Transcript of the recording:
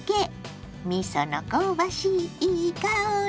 みその香ばしいいい香り！